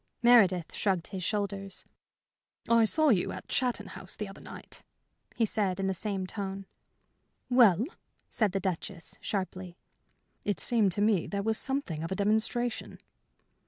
Meredith shrugged his shoulders. "I saw you at Chatton House the other night," he said, in the same tone. "Well?" said the Duchess, sharply. "It seemed to me there was something of a demonstration."